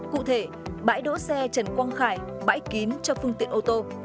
cụ thể bãi đỗ xe trần quang khải bãi kín cho phương tiện ô tô